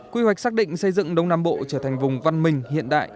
quy hoạch xác định xây dựng đông nam bộ trở thành vùng văn minh hiện đại